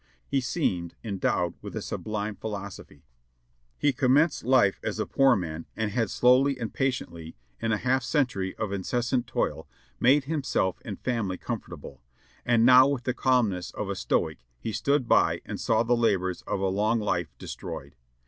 He seemed endowed with a sublime philosoph3\ He commenced life as a poor man and had slowly and patiently, in a half century of incessant toil, made himself and family comfort able, and now with the calmness of a Stoic he stood by and saw the labors of a long life destroyed.